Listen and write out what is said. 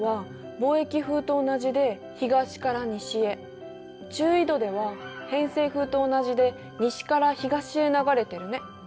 貿易風と同じで東から西へ中緯度では偏西風と同じで西から東へ流れてるね。